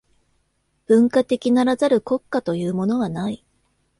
文化的ならざる国家というものはない。